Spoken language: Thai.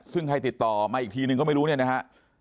ซึ่งใครติดต่อมาอีกทีนึงก็ไม่รู้เนี่ยนะฮะ